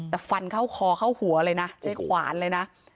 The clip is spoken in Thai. แต่ฟันเข้าคอเข้าหัวเลยนะใช้ขวานเลยนะ